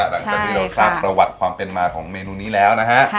หลังจากที่เราทราบประวัติความเป็นมาของเมนูนี้แล้วนะฮะ